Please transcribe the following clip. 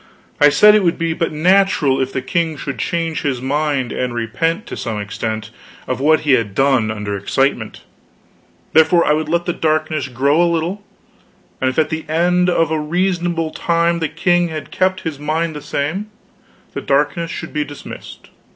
I said it would be but natural if the king should change his mind and repent to some extent of what he had done under excitement; therefore I would let the darkness grow a while, and if at the end of a reasonable time the king had kept his mind the same, the darkness should be dismissed.